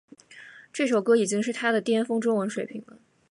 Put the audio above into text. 这首歌已经她的巅峰中文水平了